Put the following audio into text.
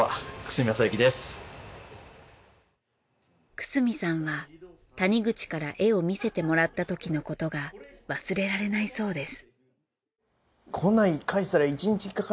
久住さんは谷口から絵を見せてもらったときのことが忘れられないそうです。